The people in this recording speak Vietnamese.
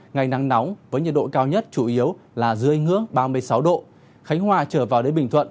ngày nắng nóng với nhiệt độ cao nhất chủ yếu là dưới ngưỡng ba mươi sáu độ khánh hòa trở vào đến bình thuận